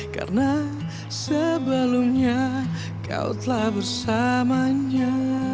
karena sebelumnya kau telah bersamanya